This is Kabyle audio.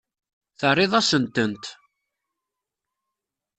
Terriḍ-asent-tent.